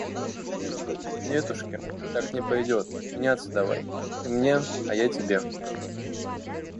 Нетушки! Так не пойдёт, меняться давай. Ты мне, а я — тебе.